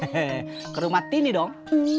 hei ke rumah tini dong